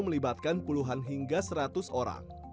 melibatkan puluhan hingga seratus orang